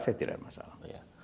saya tidak ada masalah